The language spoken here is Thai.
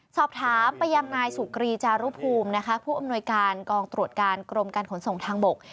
สอบถามไปยังนายสุกรีจารุภูมินะคะผู้อำนวยการกองตรวจการกรมการขนส่งทางบก